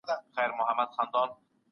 حکومتونه خلګ په وړو شیانو بوخت ساتي.